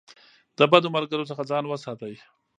د بدو ملګرو څخه ځان وساتئ.